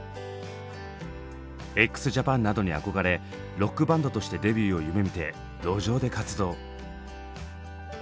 ＸＪＡＰＡＮなどに憧れロックバンドとしてデビューを夢みて路上で活動。